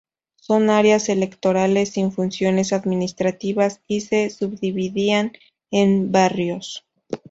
Son áreas electorales sin funciones administrativas, y se subdividían en barrios.